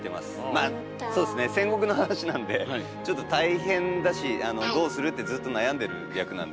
まあそうですね戦国の話なんでちょっと大変だし「どうする」ってずっと悩んでる役なんで。